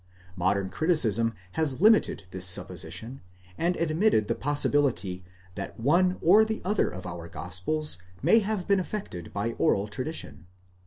Modern criticism has limited this supposition, and admitted the possibility that one or the other of our gospels may have been affected by oral tradition.